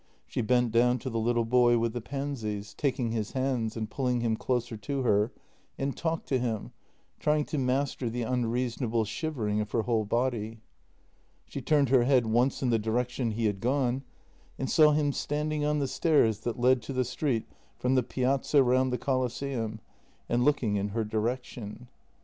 She bent down to the little boy with the pansies, taking his hands and pulling him closer to her, and talked to him, trying to master the unreasonable shivering of her whole body. She turned her head once in the direction he had gone and saw him standing on the stairs that led to the street from the Piazza round the Colosseum, and looking in her direction.